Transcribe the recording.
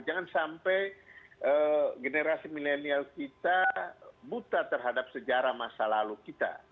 jangan sampai generasi milenial kita buta terhadap sejarah masa lalu kita